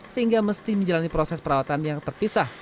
sehingga mesti menjalani proses perawatan yang terpisah